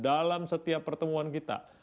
dalam setiap pertemuan kita